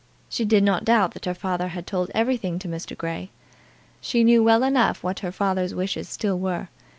She did not doubt that her father had told everything to Mr. Grey. She knew well enough what her father's wishes still were.